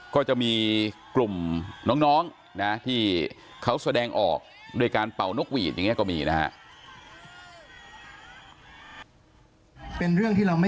ก็จะมีกลุ่มน้องนะที่เขาแสดงออกโดยการเฝานกหวีนมี่ครับ